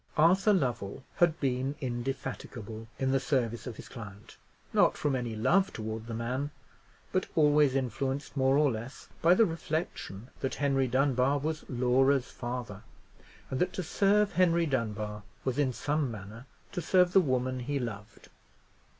Arthur Lovell had been indefatigable in the service of his client: not from any love towards the man, but always influenced more or less by the reflection that Henry Dunbar was Laura's father; and that to serve Henry Dunbar was in some manner to serve the woman he loved.